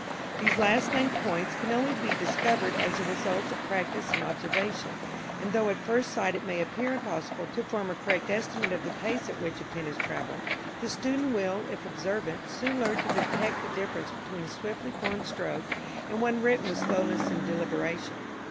These last named points can only be discovered as the result of practice and observation, and though at first sight it may appear impossible to form a correct estimate of the pace at which a pen has travelled, the student will, if observant, soon learn to detect the difference between a swiftly formed stroke and one written with slowness and deliberation.